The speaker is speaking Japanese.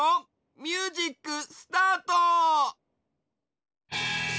ミュージックスタート！